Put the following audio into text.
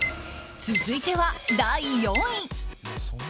続いては第４位！